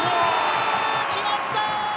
決まった！